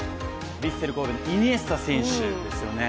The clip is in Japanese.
ヴィッセル神戸のイニエスタ選手ですよね。